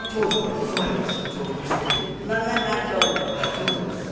長女です。